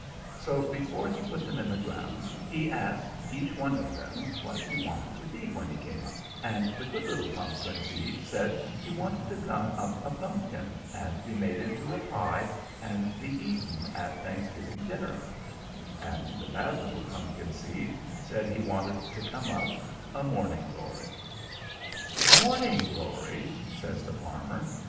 So before he put them in the ground, he asked each one of them what he wanted to be when he came up, and the good little pumpkin seed said he wanted to come up a pumpkin, and be made into a pie, and be eaten at Thanksgiving dinner; and the bad little pumpkin seed said he wanted to come up a morning glory. "'Morning glory!' says the farmer.